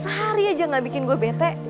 sehari aja gabikin gue bete